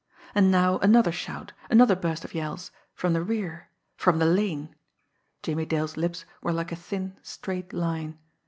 And now another shout, another burst of yells from the rear from the lane! Jimmie Dale's lips were like a thin, straight line.